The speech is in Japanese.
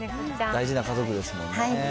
大事な家族ですもんね。